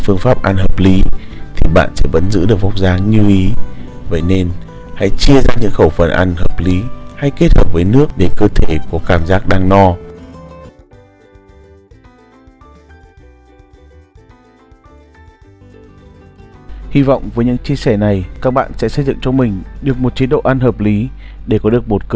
hẹn gặp lại các bạn trong những video tiếp theo